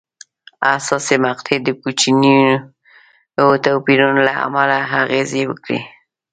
حساسې مقطعې د کوچنیو توپیرونو له امله اغېزې وکړې.